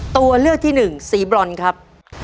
ตัวเลือกที่๑สีบรอนครับ